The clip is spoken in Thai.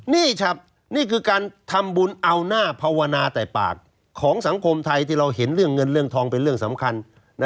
นี่ครับนี่คือการทำบุญเอาหน้าภาวนาแต่ปากของสังคมไทยที่เราเห็นเรื่องเงินเรื่องทองเป็นเรื่องสำคัญ